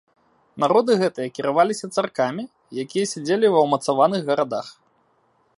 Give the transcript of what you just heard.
Народы гэтыя кіраваліся царкамі, якія сядзелі ва ўмацаваных гарадах.